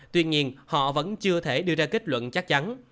tuy nhiên họ vẫn chưa thể đưa ra kết luận chắc chắn